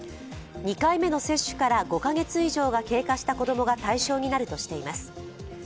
２回目の接種から５カ月以上が経過した子供が対象になるとしています。